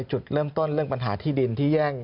จุดเริ่มต้นเรื่องปัญหาที่ดินที่แย่ง